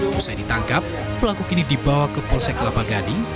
setelah ditangkap pelaku kini dibawa ke polsek kelapa gading